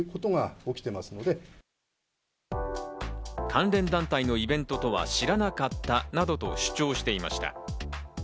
関連団体のイベントとは知らなかったなどと主張していました。